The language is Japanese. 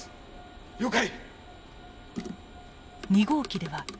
了解！